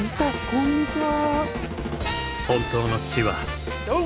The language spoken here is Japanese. こんにちは。